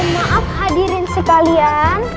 maaf hadirin sekalian